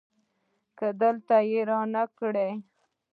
که دلته يي رانه کړ